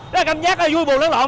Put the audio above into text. rất là cảm giác vui buồn lất lộn